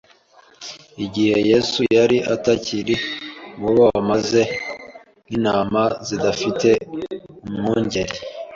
Igihe Yesu yari atakiri muri bo bameze nk'intama zidafite umwungeri